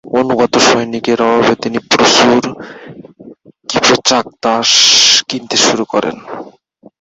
অনুগত সৈনিকের অভাবে তিনি প্রচুর "কিপচাক দাস" কিনতে শুরু করেন।